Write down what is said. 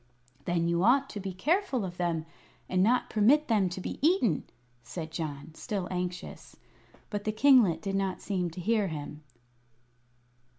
"Then you ought to be careful of them, and not permit them to be eaten," said John, still anxious. But the kinglet did not seem to hear him.